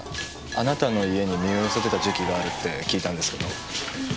あなたの家に身を寄せてた時期があるって聞いたんですけど。